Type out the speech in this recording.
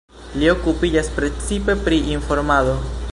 Li okupiĝas precipe pri informado.